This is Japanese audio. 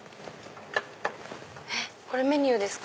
これメニューですか？